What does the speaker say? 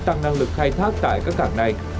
tăng năng lực khai thác tại các cảng này